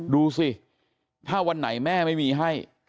ดูสิถ้าวันไหนแม่ไม่มีให้